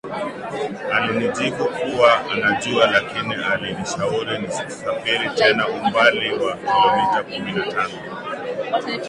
alinijibu kuwa anajua lakini alinishauri nisafiri tena umbali wa kilometa kumi na tano